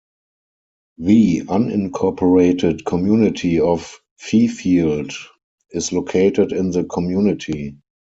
The unincorporated community of Fifield is located in the community.